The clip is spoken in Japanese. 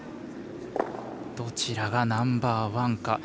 どちらがナンバーワンか。